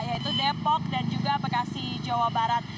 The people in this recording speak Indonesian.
yaitu depok dan juga bekasi jawa barat